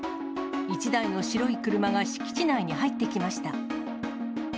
一台の白い車が敷地内に入ってきました。